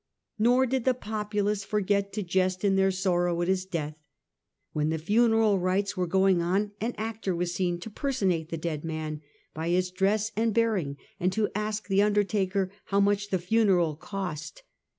Nor did the populace forget to jest in their sorrow at his death. When the funeral rites were going on, an The charac actor was Seen to personate the dead man by 3ertlt\is dress and bearing and to ask the under funerai taker how much the funeral cost.